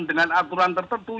dengan aturan tertentu